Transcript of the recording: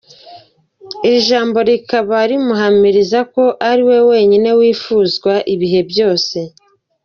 Iri jambo rikaba rimuhamiriza ko ari we wenyene wifuza ibihe byose.